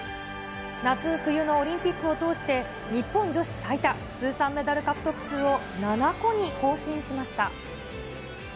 夏、冬のオリンピックを通して、日本女子最多、通算メダル獲得数を７個に更新しました。